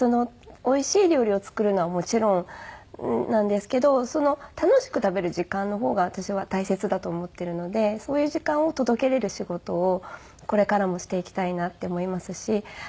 おいしい料理を作るのはもちろんなんですけど楽しく食べる時間の方が私は大切だと思ってるのでそういう時間を届けれる仕事をこれからもしていきたいなって思いますし。